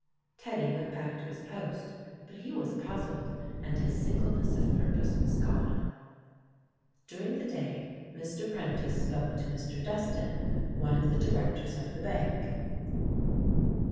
Teddy went back to his post, but he was puzzled and his sin gleness of purpose was gone. During the day, Mr. Prentice spoke to Mr. Dustan, one of the directors of the bank.